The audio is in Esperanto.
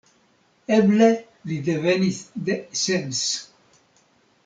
Eble li devenis de Sens.